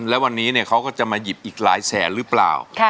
แล้ววันนี้เขาก็จะมาหยิบอีกหลายแสนหรือเปล่า